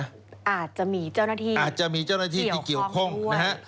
อาจจะมีเจ้าหน้าที่ที่เกี่ยวข้องด้วยอาจจะมีเจ้าหน้าที่ที่เกี่ยวข้องนะฮะ